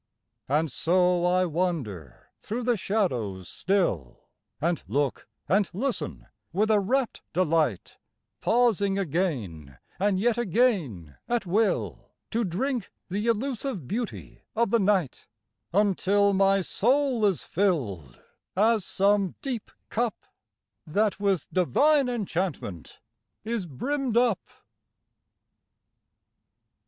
And so I wander through the shadows still, And look and listen with a rapt delight, Pausing again and yet again at will To drink the elusive beauty of the night, Until my soul is filled, as some deep cup. That with divine enchantment is brimmed up.